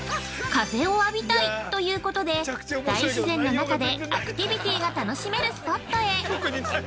「風を浴びたい」ということで、大自然の中でアクティビティが楽しめるスポットへ。